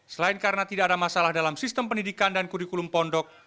selain karena tidak ada masalah dalam sistem pendidikan dan kurikulum pondok